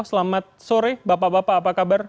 selamat sore bapak bapak apa kabar